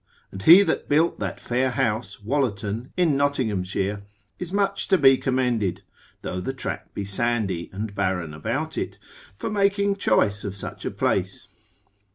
And he that built that fair house, Wollerton in Nottinghamshire, is much to be commended (though the tract be sandy and barren about it) for making choice of such a place.